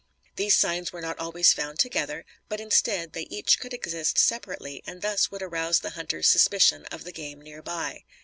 These "signs" were not always found together; but instead, they each could exist separately and thus would arouse the hunter's suspicions of the game near by.